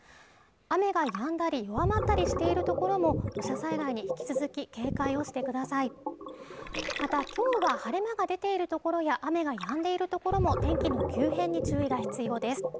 雨がやんだり弱まったりしているところも土砂災害に引き続き警戒をしてくださいまたきょうは晴れ間が出ているところや雨がやんでいる所も天気の急変に注意が必要です